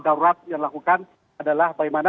darurat yang dilakukan adalah bagaimana